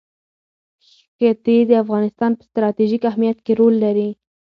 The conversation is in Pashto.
ښتې د افغانستان په ستراتیژیک اهمیت کې رول لري.